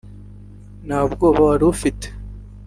nta bwoba wari ufite